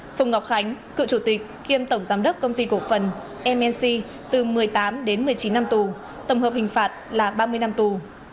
phùng ngọc khánh cựu chủ tịch kiêm tổng giám đốc công ty cổ phần mc từ một mươi tám đến một mươi chín năm tù tổng hợp hình phạt là ba mươi năm tù